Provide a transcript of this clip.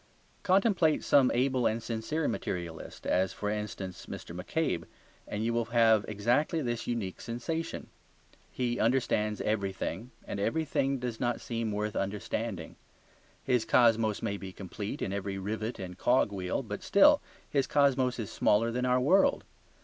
Contemplate some able and sincere materialist, as, for instance, Mr. McCabe, and you will have exactly this unique sensation. He understands everything, and everything does not seem worth understanding. His cosmos may be complete in every rivet and cog wheel, but still his cosmos is smaller than our world.